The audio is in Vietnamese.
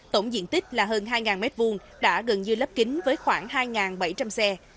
tổng diện tích là hơn hai m hai đã gần như lấp kính với khoảng hai bảy trăm linh xe